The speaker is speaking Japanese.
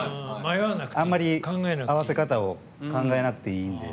あんまり、合わせ方を考えなくていいので。